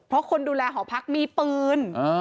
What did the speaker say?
เพราะคนดูแลหอพักมีปืน